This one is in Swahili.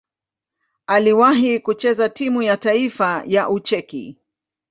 Aliwahi kucheza timu ya taifa ya Ucheki.